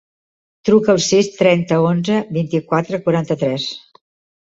Truca al sis, trenta, onze, vint-i-quatre, quaranta-tres.